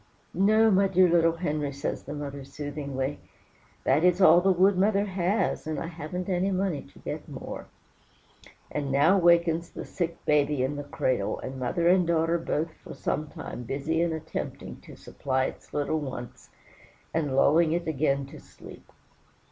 "No, my dear little Henry," says the mother soothingly, "that is all the wood mother has, and I haven't any money to get more." And now wakens the sick baby in the cradle, and mother and daughter are both for some time busy in attempting to supply its little wants, and lulling it again to sleep.